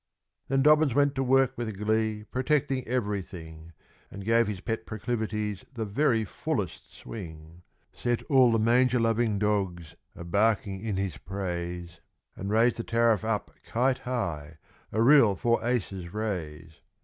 Then Dobbins went to work with glee, protecting everything, And gave his pet proclivities the very fullest swing, Set all the manger loving dogs a barking in his praise, And raised the Tariff up kite high, a real four aces' raise.